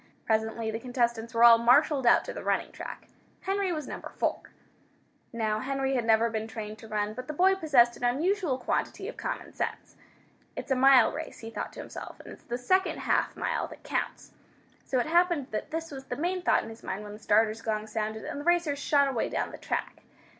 Presently the contestants were all marshalled out to the running track. Henry was Number 4. Now, Henry had never been trained to run, but the boy possessed an unusual quantity of common sense. "It's a mile race," he thought to himself, "and it's the second half mile that counts." So it happened that this was the main thought in his mind when the starter's gong sounded and the racers shot away down the track.